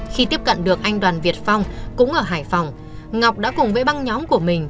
khi tiếp cận được anh đoàn việt phong cũng ở hải phòng ngọc đã cùng với băng nhóm của mình